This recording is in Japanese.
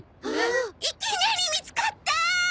いきなり見つかった！